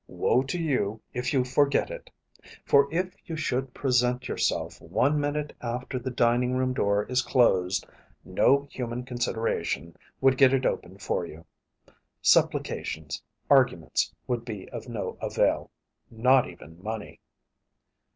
Woe to you if you forget it! For if you should present yourself one minute after the dining room door is closed, no human consideration would get it open for you. Supplications, arguments would be of no avail. Not even money.